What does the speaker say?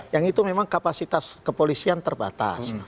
yang itu memang kapasitas kepolisian terbatas